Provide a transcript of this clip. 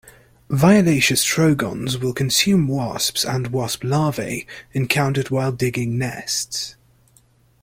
Violaceous trogons will consume wasps and wasp larvae encountered while digging nests.